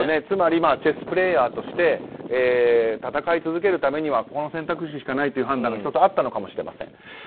つまりチェスプレーヤーとして戦い続けるためにはこの選択肢しかないという判断が１つあったのかもしれません。